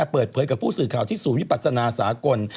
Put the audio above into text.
เปิดเผยกับผู้สื่อข่าวที่ศูนย์วิปัสนาสากล